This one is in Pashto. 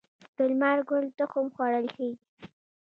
د لمر ګل تخم خوړل کیږي.